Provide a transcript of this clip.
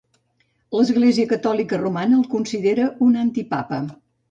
L'Església Catòlica Romana el considera un antipapa.